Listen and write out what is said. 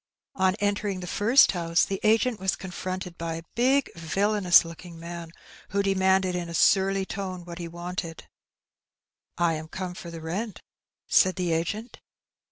On entering the first house the agent was confronted by a big, villanous looking man, who demanded in a surly tone what he wanted. '^I am come for the rent," said the agent.